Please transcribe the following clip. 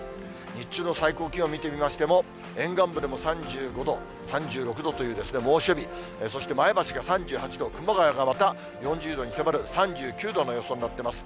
日中の最高気温見てみましても、沿岸部でも３５度、３６度というですね、猛暑日、そして前橋が３８度、熊谷がまた４０度に迫る３９度の予想になっています。